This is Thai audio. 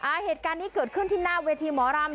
เหตุการณ์นี้เกิดขึ้นที่หน้าเวทีหมอรำ